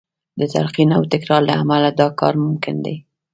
د تلقین او تکرار له امله دا کار ممکن دی